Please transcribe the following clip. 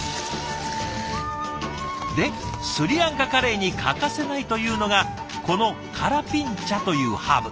でスリランカカレーに欠かせないというのがこのカラピンチャというハーブ。